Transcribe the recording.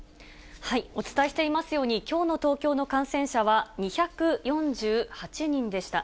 お伝えしていますように、きょうの東京の感染者は、２４８人でした。